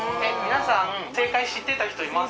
正解知ってた人います。